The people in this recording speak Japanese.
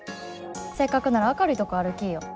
せっかくなら明るいとこ歩きいよ。